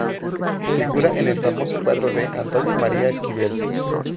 Figura en el famoso cuadro de Antonio María Esquivel.